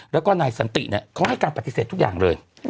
แล้วก็นายสันติเนี่ยเขาให้การปฏิเสธทุกอย่างเลย